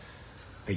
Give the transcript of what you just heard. はい。